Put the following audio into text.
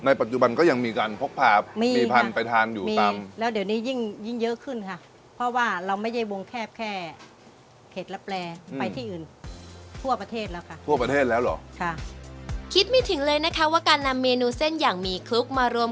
ในปัจจุบันก็ยังมีร่างอะการภกภาพห่อสรุป